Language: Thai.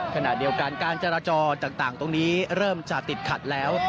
ขณะเดียวกันการจราจรต่างตรงนี้เริ่มจะติดขัดแล้ว